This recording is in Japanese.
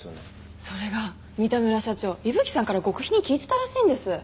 それが三田村社長伊吹さんから極秘に聞いてたらしいんです。